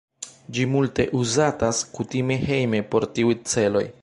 Ĝi multe uzatas kutime hejme por tiuj celoj.